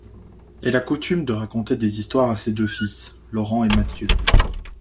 Elle a coutume de raconter des histoires à ses deux fils, Laurent et Mathieu.